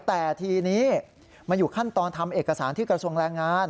แต่ทีนี้มันอยู่ขั้นตอนทำเอกสารที่กระทรวงแรงงาน